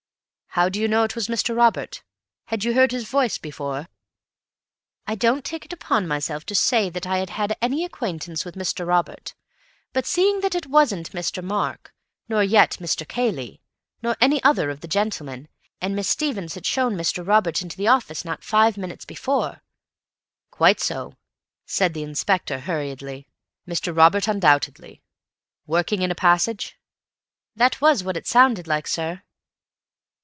"How do you know it was Mr. Robert? Had you heard his voice before?" "I don't take it upon myself to say that I had had any acquaintance with Mr. Robert, but seeing that it wasn't Mr. Mark, nor yet Mr. Cayley, nor any other of the gentlemen, and Miss Stevens had shown Mr. Robert into the office not five minutes before—" "Quite so," said the Inspector hurriedly. "Mr. Robert, undoubtedly. Working in a passage?" "That was what it sounded like, sir."